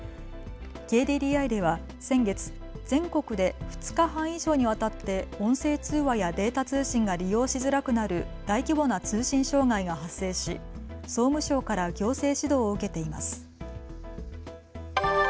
ＫＤＤＩでは先月、全国で２日半以上にわたって音声通話やデータ通信が利用しづらくなる大規模な通信障害が発生し総務省から行政指導を受けています。